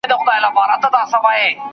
ایا تکړه پلورونکي شین ممیز پروسس کوي؟